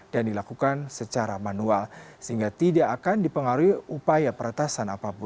dan dilakukan secara manual sehingga tidak akan dipengaruhi upaya peretasan apapun